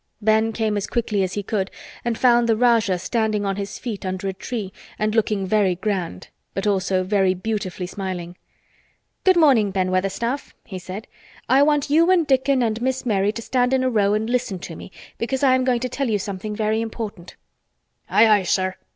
Ben came as quickly as he could and found the Rajah standing on his feet under a tree and looking very grand but also very beautifully smiling. "Good morning, Ben Weatherstaff," he said. "I want you and Dickon and Miss Mary to stand in a row and listen to me because I am going to tell you something very important." "Aye, aye, sir!"